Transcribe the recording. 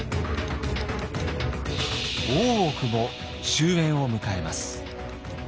大奥も終焉を迎えます。